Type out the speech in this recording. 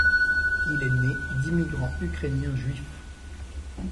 Il est né d'immigrants ukrainiens juifs.